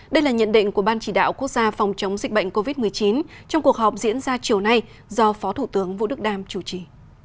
đây là nhận định của ban chỉ đạo quốc gia phòng chống dịch bệnh covid một mươi chín trong cuộc họp diễn ra chiều nay do phó thủ tướng vũ đức đam chủ trì